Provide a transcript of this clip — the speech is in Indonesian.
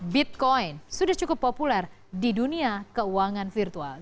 bitcoin sudah cukup populer di dunia keuangan virtual